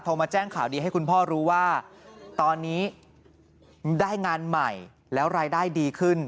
มาแจ้งข่าวดีให้คุณพ่อรู้ว่าตอนนี้ได้งานใหม่แล้วรายได้ดีขึ้น